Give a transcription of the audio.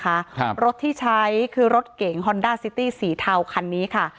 ครับรถที่ใช้คือรถเก๋งฮอนด้าซิตี้สีเทาคันนี้ค่ะ